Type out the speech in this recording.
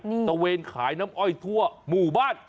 ตะเวนขายน้ำอ้อยทั่วหมู่บ้าน